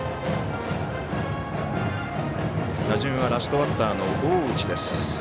打順はラストバッターの大内です。